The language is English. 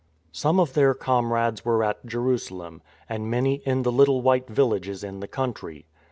Some of their comrades were at Jerusalem, and many in the little white villages in the country.